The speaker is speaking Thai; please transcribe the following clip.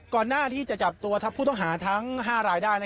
ก่อนหน้าที่จะจับตัวผู้ต้องหาทั้ง๕รายได้นะครับ